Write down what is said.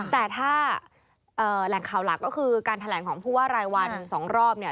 แต่ถ้าแหล่งข่าวหลักก็คือการแถลงของผู้ว่ารายวัน๒รอบเนี่ย